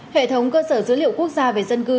hệ thống cơ sở dữ liệu quốc gia về dân cư